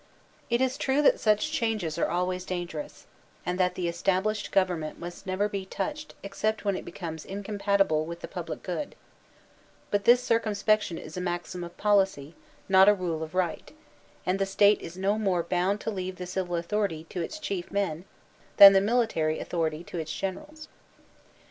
It is true that such changes are always dangerous, and that the established government must never be touched except when it becomes incompatible with the public good; but this circumspection is a maxim of policy, not a rule of right; and the State is no more bound to leave the civil authority to its chief men than the military authority to its generals.